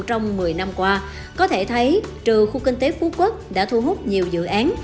trong một mươi năm qua có thể thấy trừ khu kinh tế phú quốc đã thu hút nhiều dự án